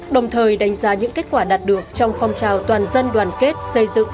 đồng thời đánh giá những kết quả đạt được trong phong trào toàn dân đoàn kết xây dựng